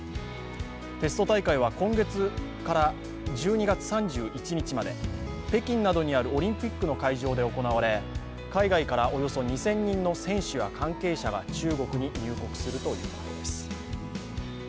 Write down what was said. テスト大会は今月から１２月３１日まで北京などにあるオリンピックの会場で行われ海外からおよそ２０００人の選手や関係者が中国に入国するということです。